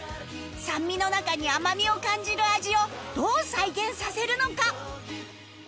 酸味の中に甘みを感じる味をどう再現させるのか？